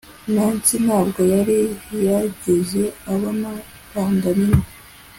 Nancy ntabwo yari yarigeze abona panda nini